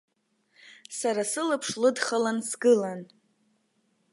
Сара сылаԥш лыдхалан сгылан.